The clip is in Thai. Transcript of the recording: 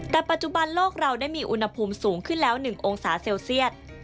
แต่ปัจจุบันโลกเราได้มีอุณหภูมิสูงขึ้นแล้ว๑องศาเซลเซียต